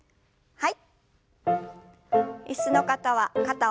はい。